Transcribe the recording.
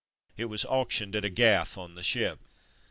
It was auctioned at a ''gaff'' on the ship.